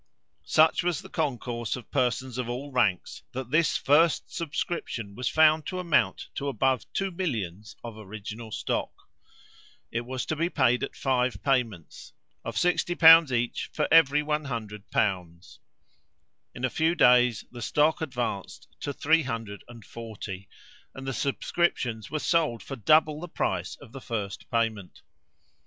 Such was the concourse of persons of all ranks, that this first subscription was found to amount to above two millions of original stock. It was to be paid at five payments, of 60l. each for every 100l. In a few days the stock advanced to three hundred and forty, and the subscriptions were sold for double the price of the first payment.